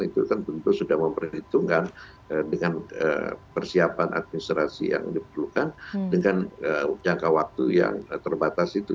itu kan tentu sudah memperhitungkan dengan persiapan administrasi yang diperlukan dengan jangka waktu yang terbatas itu